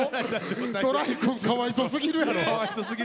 トライくんかわいそすぎるやろ。